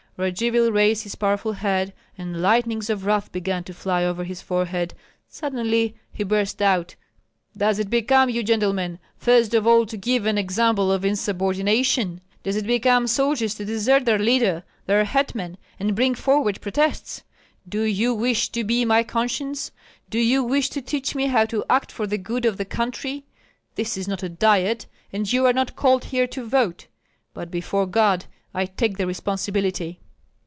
Radzivill raised his powerful head, and lightnings of wrath began to fly over his forehead; suddenly he burst out, "Does it become you, gentlemen, first of all to give an example of insubordination? Does it become soldiers to desert their leader, their hetman, and bring forward protests? Do you wish to be my conscience? Do you wish to teach me how to act for the good of the country? This is not a diet, and you are not called here to vote; but before God I take the responsibility!"